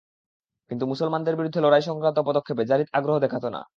কিন্তু মুসলমানদের বিরুদ্ধে লড়াই সংক্রান্ত পদক্ষেপে যারীদ আগ্রহ দেখাত না।